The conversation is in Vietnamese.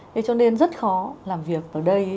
thế cho nên rất khó làm việc ở đây